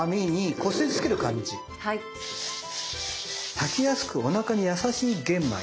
炊きやすくおなかに優しい玄米。